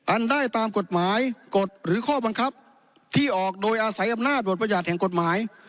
อันได้ตามกฎหมายกฎหรือข้อบังคับที่ออกโดยอาศัยอำนาจบทประหยัดแห่งกฎหมาย